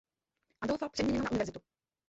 Adolfa přeměněno na univerzitu.